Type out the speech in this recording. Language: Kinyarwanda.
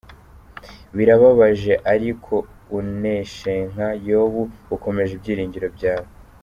Birababaje ariko uneshenka Yobu, ukomeze ibyiringiro byawe.